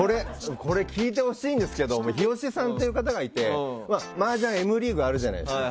これ聞いてほしいんですけど日吉さんって方がいてマージャンＭリーグあるじゃないですか？